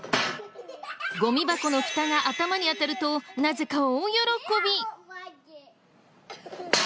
ゴミ箱のフタが頭に当たるとなぜか大喜び。